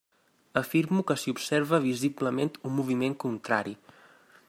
Afirmo que s'hi observa visiblement un moviment contrari.